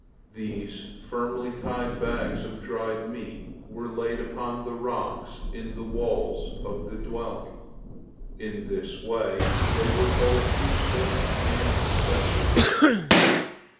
These firmly tied bags of dried meat were laid upon the rocks in the walls of the dwelling. In this way they were both useful and decorative.